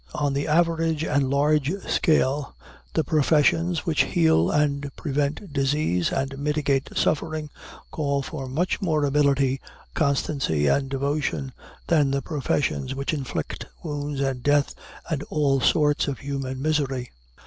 On the average and the large scale, the professions which heal and prevent disease, and mitigate suffering, call for much more ability, constancy, and devotion than the professions which inflict wounds and death and all sorts of human misery.